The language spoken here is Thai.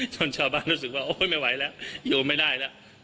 ชาวบ้านรู้สึกว่าโอ๊ยไม่ไหวแล้วโยมไม่ได้แล้ว